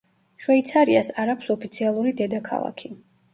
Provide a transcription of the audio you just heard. შვეიცარიას არ აქვს ოფიციალური დედაქალაქი.